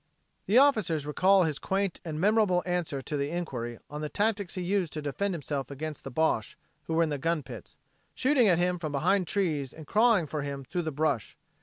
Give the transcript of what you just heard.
The officers recall his quaint and memorable answer to the inquiry on the tactics he used to defend himself against the Boche who were in the gun pits, shooting at him from behind trees and crawling for him through the brush.